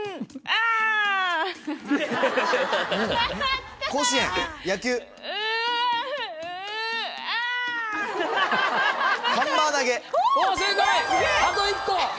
あと１個！